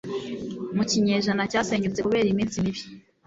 Mu kinyejana cyasenyutse kubera iminsi mibi